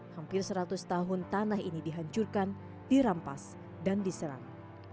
hampir seratus tahun tanah ini dihancurkan dirampas dan diserang